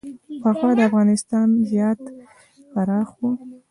پخوا افغانستان زیات پراخ و